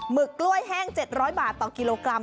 ึกกล้วยแห้ง๗๐๐บาทต่อกิโลกรัม